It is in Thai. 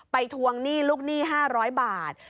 ทวงหนี้ลูกหนี้๕๐๐บาท